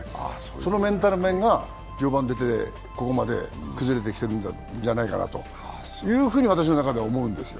そのメンタル面が序盤で出て、ここまで崩れてきてるんじゃないかなというふうに私の中では思うんですよ。